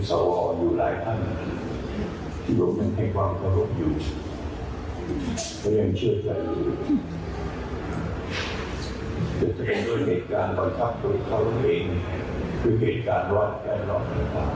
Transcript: จะจนโดนเหตุการณ์บังคับตัวเขาเอง